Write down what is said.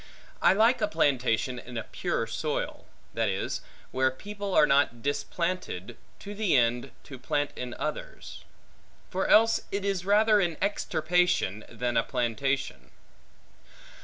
I like a plantation in a pure soil; that is, where people are not displanted, to the end, to plant in others. For else it is rather an extirpation, than a plantation.